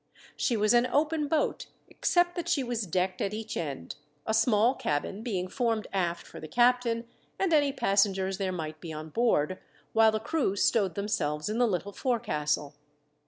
She was an open boat, except that she was decked at each end, a small cabin being formed aft for the captain, and any passengers there might be on board, while the crew stowed themselves in the little forecastle.